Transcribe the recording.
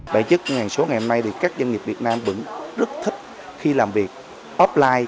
đại chức ngân hàng số ngày hôm nay thì các doanh nghiệp việt nam vẫn rất thích khi làm việc offline